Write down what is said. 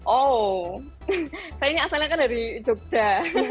oh saya ini asalnya kan dari jogja